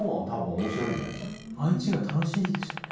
毎日が楽しいでしょうね。